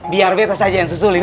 biar beta saja yang susul ini